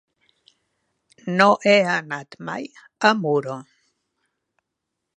No he anat mai a Muro.